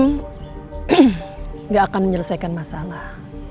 enggak akan menyelesaikan masalah